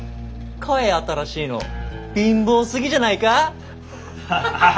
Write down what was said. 買え新しいの。貧乏すぎじゃないか。